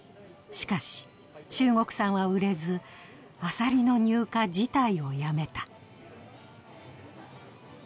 しかし中国産は売れず、アサリの入荷自体をやめた。